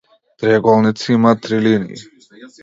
Триаголници имаат три линии.